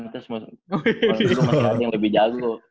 artinya kalo masalahnya lebih jago